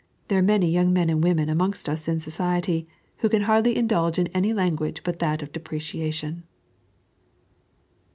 There are many young men and women amongst us in society who can hardly indulge in any language but that of depreciation.